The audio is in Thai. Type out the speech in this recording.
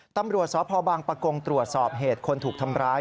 ตำรวจสพบางปะกงตรวจสอบเหตุคนถูกทำร้าย